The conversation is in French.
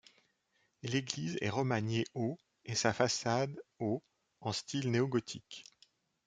L'église est remaniée au et sa façade au en style néo-gothique.